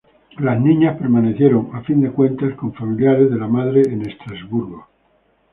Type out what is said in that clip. Las niñas permanecieron, a fin de cuentas, con familiares de la madre en Estrasburgo.